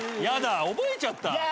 やだ覚えちゃった。